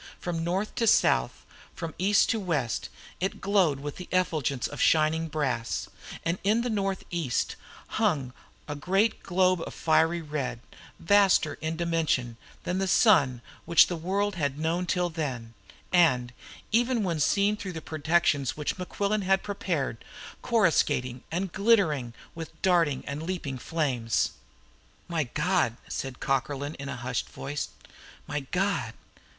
From north to south, from east to west, it glowed with the effulgence of shining brass; and in the north east hung a great globe of fiery red, vaster in dimension than the sun which the world had known till then, and, even when seen through the protections which Mequillen had prepared, coruscating and glittering with darting and leaping flame. "My God!" said Cockerlyne, in a hushed voice. "My God!